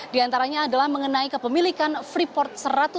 di antaranya adalah mengenai kepemilikan freeport